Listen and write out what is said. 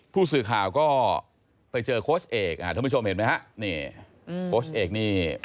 ผู้สื่อข่าวก็ไปเจอโค้ชเอกท่านผู้ชมเห็นไหมฮะนี่โค้ชเอกนี่